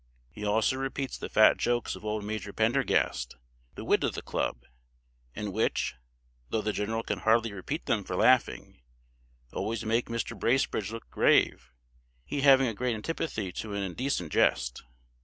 He also repeats the fat jokes of old Major Pendergast, the wit of the club, and which, though the general can hardly repeat them for laughing, always make Mr. Bracebridge look grave, he having a great antipathy to an indecent jest.